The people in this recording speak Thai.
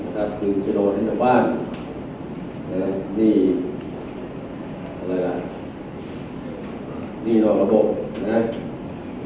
ถ้าคืนจะโดนให้จากบ้านนี่อะไรล่ะนี่นอกระบบนะครับ